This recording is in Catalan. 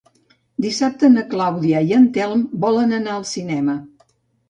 Dissabte na Clàudia i en Telm volen anar al cinema.